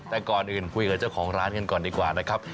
แต่ก่อนอื่นคุยกับเจ้าของร้านกันก่อนดีกว่านะครับ